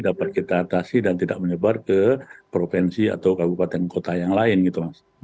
dapat kita atasi dan tidak menyebar ke provinsi atau kabupaten kota yang lain gitu mas